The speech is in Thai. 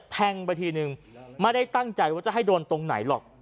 แทงไปทีนึงไม่ได้ตั้งใจว่าจะให้โดนตรงไหนหรอก